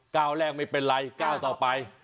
ก้าวแรกไม่เป็นไรก้าวต่อไป